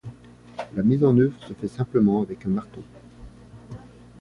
La mise en œuvre se fait simplement avec un marteau.